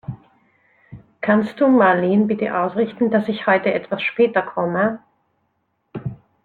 Kannst du Marleen bitte ausrichten, dass ich heute etwas später komme?